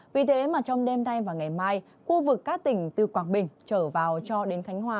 vì thế mà trong đêm nay và ngày mai khu vực các tỉnh từ quảng bình trở vào cho đến khánh hòa